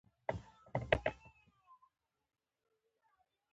په هېڅ بد کار نه بند دی.